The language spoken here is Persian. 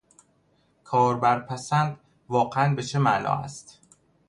کاربرپسند واقعا به چه معنا است؟